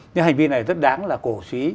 nhưng hành vi này rất đáng là cổ suý